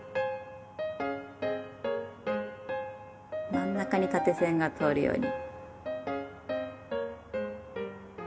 真ん中に縦線が通るように。